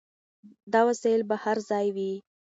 دا وسایل به هر ځای وي.